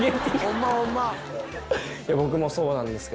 僕もそうなんですけど。